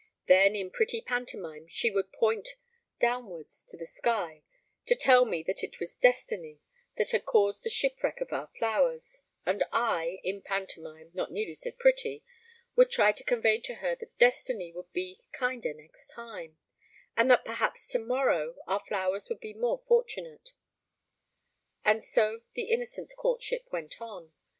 Then, in pretty pantomime, she would point downwards to the sky to tell me that it was Destiny that had caused the shipwreck of our flowers, and I, in pantomime, not nearly so pretty, would try to convey to her that Destiny would be kinder next time, and that perhaps tomorrow our flowers would be more fortunate and so the innocent courtship went on.